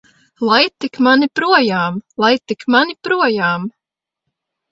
Laid tik mani projām! Laid tik mani projām!